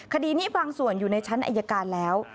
คดีนี้บางส่วนอยู่ในชั้นอายการแล้ว